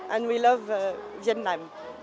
và chúng tôi thích việt nam